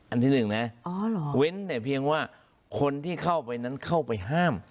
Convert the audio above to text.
อันที่หนึ่งนะเว้นแต่เพียงว่าคนที่เข้าไปนั้นเข้าไปห้าม